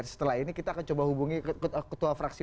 setelah ini kita akan coba hubungi ketua fraksi